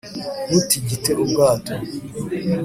ntutigite ubwato